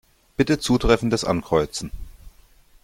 Bitte Zutreffendes ankreuzen.